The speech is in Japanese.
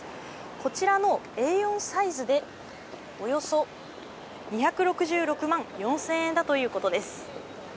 こちらのＡ４サイズで、およそ２６６万４０００円だということです。